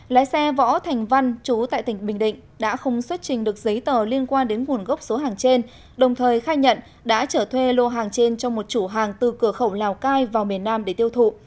lái xe võ thành văn chú tại tỉnh bình định đã không xuất trình được giấy tờ liên quan đến nguồn gốc số hàng trên đồng thời khai nhận đã trở thuê lô hàng trên trong một chủ hàng từ cửa khẩu lào cai vào miền nam để tiêu thụ